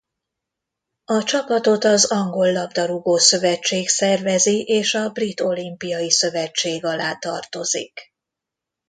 A csapatot az Angol labdarúgó-szövetség szervezi és a Brit Olimpiai Szövetség alá tartozik.